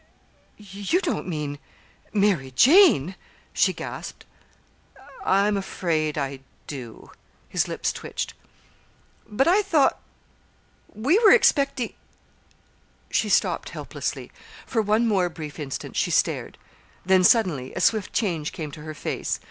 "You don't mean Mary Jane?" she gasped. "I'm afraid I do." His lips twitched. "But I thought we were expecting " She stopped helplessly. For one more brief instant she stared; then, suddenly, a swift change came to her face.